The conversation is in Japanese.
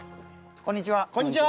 こんにちは。